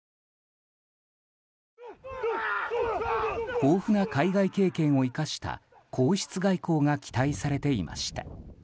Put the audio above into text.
豊富な海外経験を生かした皇室外交が期待されていました。